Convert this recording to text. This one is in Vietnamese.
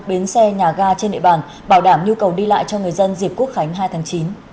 bến xe nhà ga trên địa bàn bảo đảm nhu cầu đi lại cho người dân dịp quốc khánh hai tháng chín